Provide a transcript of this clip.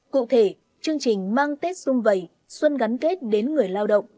cụ thể chương trình mang tết xung vầy xuân gắn kết đến người lao động